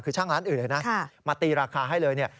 คือช่างร้านอื่นเลยนะมาตีราคาให้เลยเนี่ย